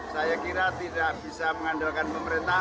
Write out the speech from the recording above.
saya kira tidak bisa mengandalkan pemerintah